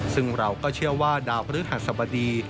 ซึ่งเราก็เชื่อว่าดาวพฤหัสบดี